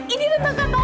ini tentang kata umat